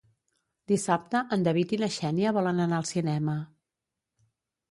Dissabte en David i na Xènia volen anar al cinema.